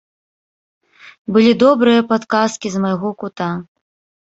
Былі добрыя падказкі з майго кута.